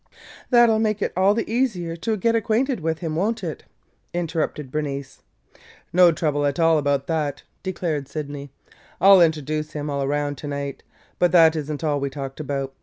"That 'll make it all the easier to get acquainted with him, won't it?" interrupted Bernice. "No trouble at all about that!" declared Sydney. "I 'll introduce him all around to night. But that is n't all we talked about.